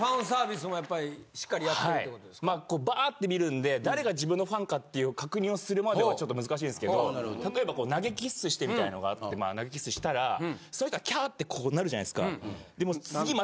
まあこうバァって見るんで誰が自分のファンかっていう確認をするまではちょっと難しいですけど例えばこう投げキッスしてみたいのがあってまあ投げキッスしたらその人は「キャッ！」ってこうなるじゃないですか。